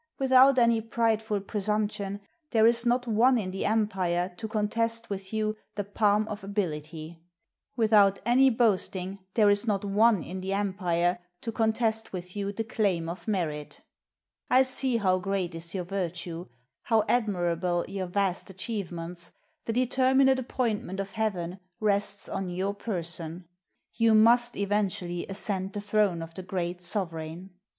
Without any prideful presumption, there is not one in the empire to contest with you the palm of ability; without any boast ing, there is not one in the empire to contest with you the claim of merit. I see how great is your virtue, how 7 CHINA admirable your vast achievements; the determinate appointment of Heaven rests on your person; you must eventually ascend the throne of the great sovereign.